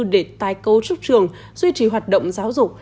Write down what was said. để tái cấu trúc trường duy trì hoạt động giáo dục